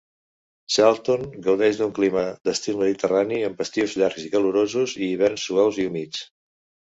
Charlton gaudeix d'un clima d'estil mediterrani, amb estius llargs i calorosos i hiverns suaus i humits.